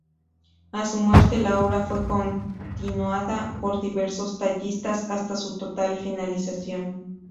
A su muerte, la obra fue continuada por diversos tallistas hasta su total finalización.